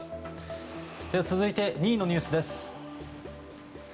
続いて２位のニュースです。